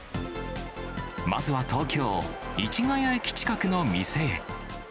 まずは東京・市ヶ谷駅近くの店へ。